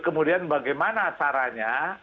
kemudian bagaimana caranya